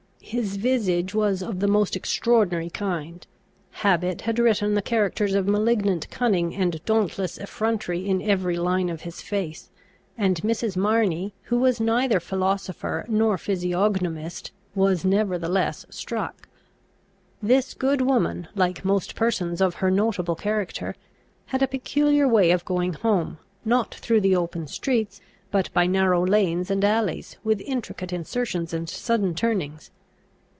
His visage was of the most extraordinary kind; habit had written the characters of malignant cunning and dauntless effrontery in every line of his face; and Mrs. Marney, who was neither philosopher nor physiognomist, was nevertheless struck. This good woman, like most persons of her notable character, had a peculiar way of going home, not through the open streets, but by narrow lanes and alleys, with intricate insertions and sudden turnings.